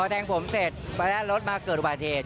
พอแทงผมเสร็จแล้วรถมาเกิดอุบัติเหตุ